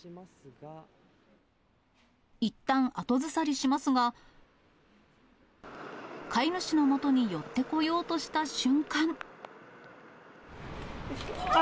いったん、後ずさりしますが、飼い主のもとに寄ってこようとした瞬間。